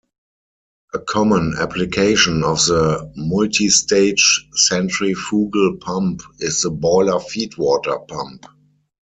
A common application of the multistage centrifugal pump is the boiler feedwater pump.